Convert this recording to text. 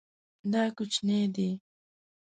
دا کوچنی دی